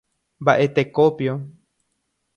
Mba'etekópio.